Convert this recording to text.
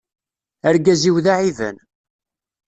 Argaz-iw d aɛiban.